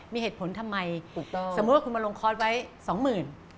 มีเหตุผลทำไมถูกต้องสมมุติว่าคุณมาลงคอร์สไว้สองหมื่น